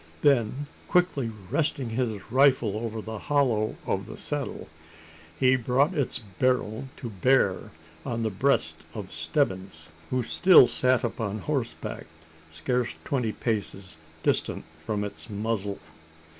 Then, quickly resting his rifle over the hollow of the saddle, he brought its barrel to bear on the breast of Stebbins who still sat upon horseback, scarce twenty paces distant from its muzzle.